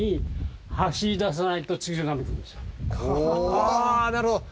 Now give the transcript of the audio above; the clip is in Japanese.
ああなるほど。